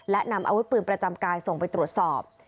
และนำอาวุธปืนประจำกายส่งไปตรวจสอบ